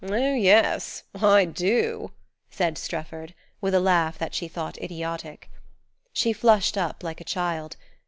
"Oh, yes I do!" said Strefford, with a laugh that she thought idiotic. She flushed up like a child.